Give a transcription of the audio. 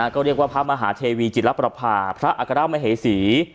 ก็เรียกว่าพระมหาเทวีจิตรประพาพระอัครมเหสี